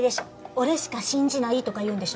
俺しか信じないとか言うんでしょ？